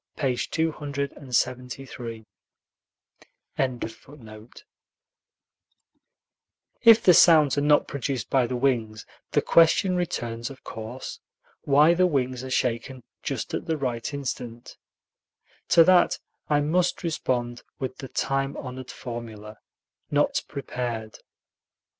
p. 273.] If the sounds are not produced by the wings, the question returns, of course, why the wings are shaken just at the right instant. To that I must respond with the time honored formula, "Not prepared."